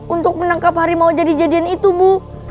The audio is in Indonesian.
untuk menangkap harimau jadi jadian itu bu